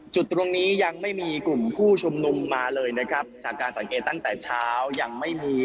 จุดตรงนี้ยังไม่มีกลุ่มผู้ชุมนุมมาเลยนะครับจากการสังเกตตั้งแต่เช้ายังไม่มี